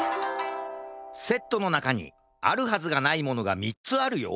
セットのなかにあるはずがないものが３つあるよ。